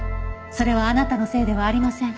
それはあなたのせいではありません。